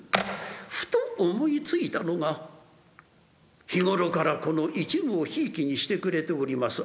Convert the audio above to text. ふと思いついたのが日頃からこの一夢をひいきにしてくれております